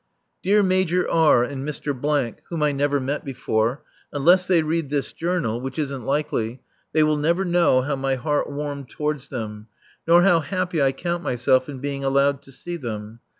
Dear Major R. and Mr. (whom I never met before), unless they read this Journal, which isn't likely, they will never know how my heart warmed towards them, nor how happy I count myself in being allowed to see them.